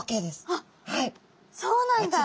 あっそうなんだ。